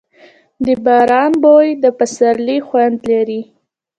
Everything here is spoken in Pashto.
د باران بوی د پسرلي خوند لري.